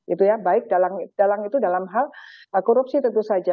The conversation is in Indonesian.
itu ya baik dalang itu dalam hal korupsi tentu saja